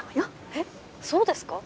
えっそうですか？